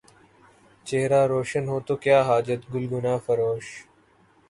چہرہ روشن ہو تو کیا حاجت گلگونہ فروش